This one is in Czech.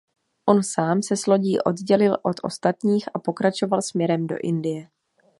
On sám se s lodí oddělil od ostatních a pokračoval směrem do Indie.